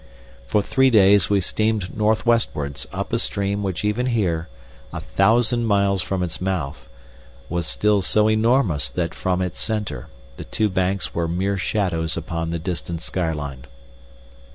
For three days we steamed north westwards up a stream which even here, a thousand miles from its mouth, was still so enormous that from its center the two banks were mere shadows upon the distant skyline.